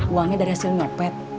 uangnya dari hasil nyopet